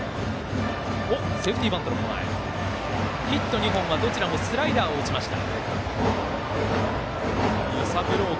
ヒット２本はどちらもスライダーを打ちました。